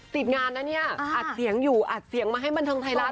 ติดงานนะเนี่ยอัดเสียงอยู่อัดเสียงมาให้บันเทิงไทยรัฐ